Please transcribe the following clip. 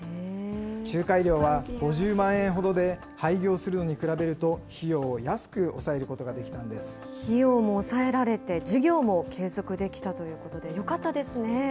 仲介料は５０万円ほどで廃業するのに比べると、費用を安く抑える費用も抑えられて、事業も継続できたということで、よかったですね。